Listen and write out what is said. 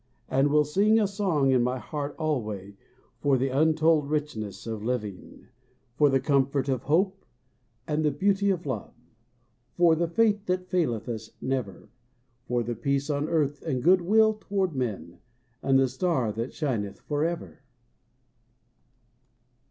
And will sing a song in my heart alway For the untold richness of living. For the comfort of Hope and the beauty of Love, For the Faith that faileth us never ; For the Peace on Earth and Good will toward men, And the Star that shineth forever